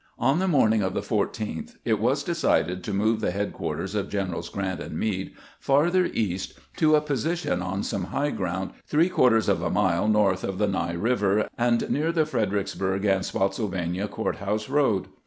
On the morning of the 14th it was decided to move the headquarters of Generals Grant and Meade farther east to a position on some high ground three quarters of a mile north of the Ny River, and near the Freder icksburg and Spottsylvania Court house road.